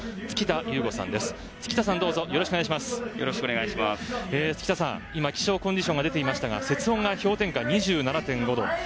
附田さん、気象コンディションが出ていましたが雪温が氷点下２７．５度。